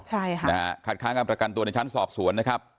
ใช่ค่ะนะฮะคัดค้างการประกันตัวในชั้นสอบสวนนะครับ